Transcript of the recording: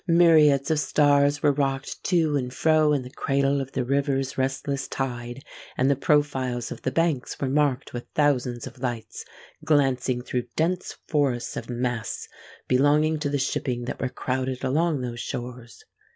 Myriads of stars were rocked to and fro in the cradle of the river's restless tide; and the profiles of the banks were marked with thousands of lights, glancing through dense forests of masts belonging to the shipping that were crowded along those shores.